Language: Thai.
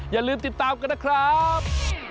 อย่าลืมติดตามกันนะครับ